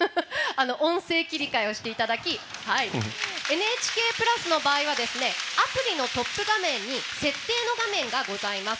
音声切り替えをしていただいてＮＨＫプラスの場合はアプリのトップ画面に設定の画面がございます。